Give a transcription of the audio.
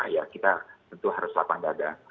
ya kita tentu harus lapang dada